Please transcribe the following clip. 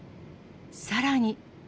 さらに。